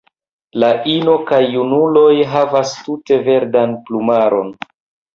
La ino kaj junuloj havas tute verdan plumaron.